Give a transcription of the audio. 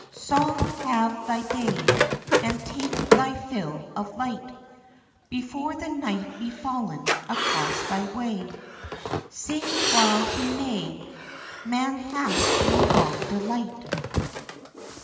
"Song have thy day, and take thy fill of light Before the night be fallen across thy way; Sing while he may, man hath no long delight."